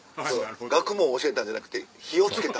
学問教えたんじゃなくて火をつけた。